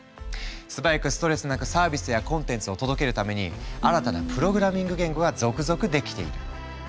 素早くストレスなくサービスやコンテンツを届けるために新たなプログラミング言語が続々出来ている。